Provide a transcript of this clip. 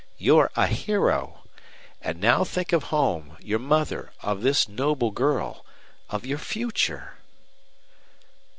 You're a hero. And now think of home, your mother, of this noble girl of your future."